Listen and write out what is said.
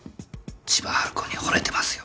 千葉ハル子に惚れてますよ。